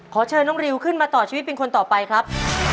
ขอเชิญน้องริวขึ้นมาต่อชีวิตเป็นคนต่อไปครับ